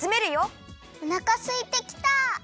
おなかすいてきた。